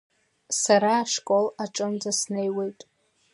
Сара ашкол аҿынӡа снеиуеит.